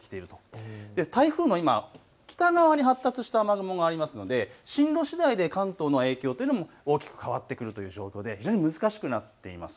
今、台風の北側に発達した雨雲があるので進路しだいで関東の影響というのは大きく変わってくるという状況で非常に難しくなっています。